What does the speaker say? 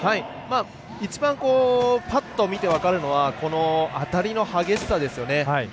一番パッと見て分かるのは当たりの激しさですよね。